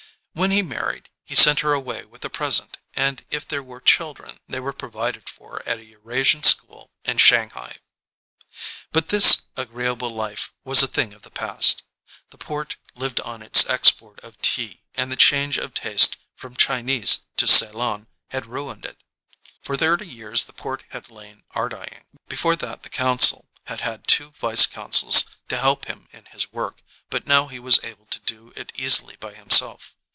When he married he sent her away with a present and if there were children they were provided for at a Eurasian school in Shanghai. But this agreeable life was a thing of the past. The port lived on its export of tea and the change of taste from Chinese to Ceylon had ruined it. For thirty years the port had lain ardying. Be fore that the consul had had two vice consuls to help him in his work, but now he was able to do it easily by himself.